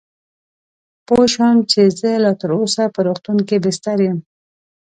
پوه شوم چې زه لا تراوسه په روغتون کې بستر یم.